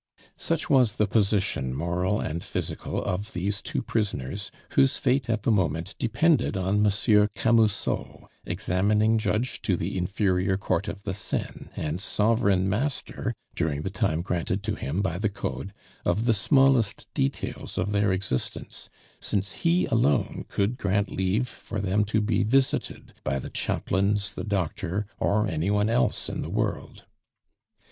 Such was the position, moral and physical, of these two prisoners, whose fate at the moment depended on Monsieur Camusot, examining judge to the Inferior Court of the Seine, and sovereign master, during the time granted to him by the Code, of the smallest details of their existence, since he alone could grant leave for them to be visited by the chaplains, the doctor, or any one else in the world.